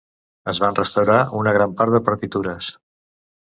Es van restaurar una gran part de partitures.